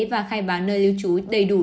và khai báo nơi lưu trú đầy đủ